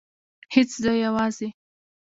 هیڅ زه یوازې